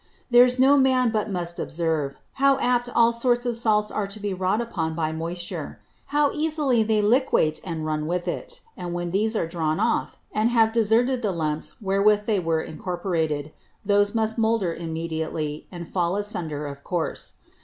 There's no Man but must observe, how apt all sorts of Salts are to be wrought upon by Moisture; how easily they liquate and run with it; and when these are drawn off, and have deserted the Lumps wherewith they were incorporated, those must moulder immediately, and fall asunder of Course.